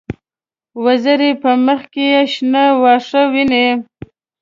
وزې په مخ کې شنه واښه ویني